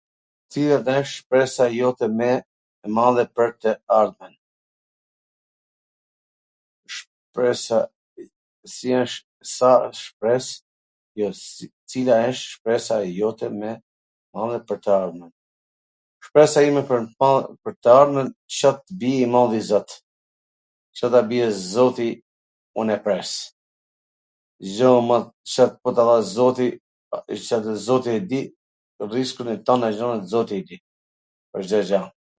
Cila wsht shpresa jote mw e madhe pwr tw ardhmen? Shpresa ime pwr tw ardhmen Ca t bij i madhi zot, Ca ta bie zoti un e pres, dgjo mu, po ta dha zoti, zoti e di riskun e tana gjanat zoti i di, pwr Cdo gja.